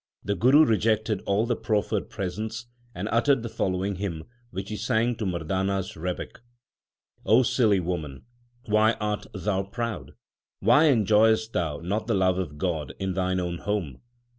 The Guru rejected all the proffered presents, and uttered the following hymn, which he sang to Mar dana s rebeck : silly woman, why art thou proud ? Why enjoy est thou not the love of God 4 in thine own home